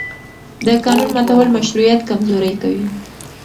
د قانون ماتول مشروعیت کمزوری کوي